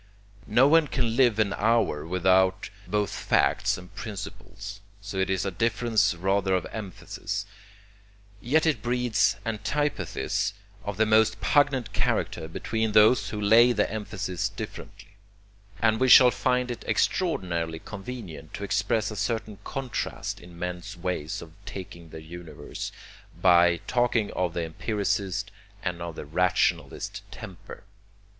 No one can live an hour without both facts and principles, so it is a difference rather of emphasis; yet it breeds antipathies of the most pungent character between those who lay the emphasis differently; and we shall find it extraordinarily convenient to express a certain contrast in men's ways of taking their universe, by talking of the 'empiricist' and of the 'rationalist' temper.